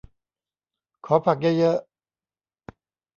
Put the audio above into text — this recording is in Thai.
ขอผักเยอะเยอะ